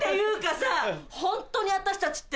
さホントに私たちって。